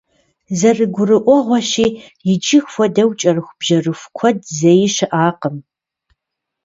Зэрыгурыӏуэгъуэщи, иджы хуэдэу кӏэрыхубжьэрыху куэд зэи щыӏакъым.